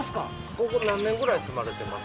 ここ何年ぐらい住まれてます？